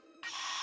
あ！